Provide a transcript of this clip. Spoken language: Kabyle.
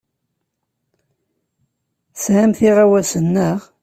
Tesɛamt iɣawasen, naɣ?